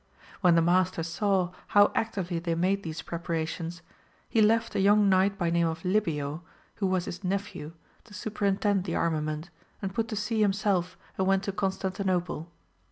When the master saw how actively they made these preparations, he left a young knight by name Libeo, who was his nephew, to superintend the armament, and put to sea himself and went to Constantinople.